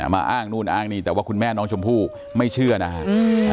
อ้างนู่นอ้างนี่แต่ว่าคุณแม่น้องชมพู่ไม่เชื่อนะฮะ